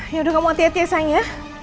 yaudah kamu hati hati ya sayang ya